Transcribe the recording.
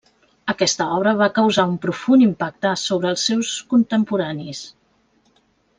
Aquesta obra va causar un profund impacte sobre els seus contemporanis.